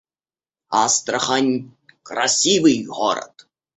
Астрахань — красивый город